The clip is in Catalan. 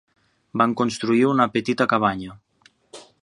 Van construir una petita cabanya.